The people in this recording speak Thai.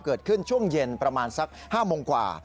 เกิดขึ้นช่วงเย็นประมาณสัก๕โมงกว่า